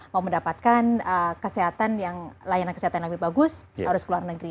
mau mendapatkan kesehatan yang layanan kesehatan lebih bagus harus ke luar negeri